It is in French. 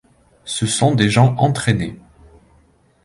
ce sont des gens entraînés.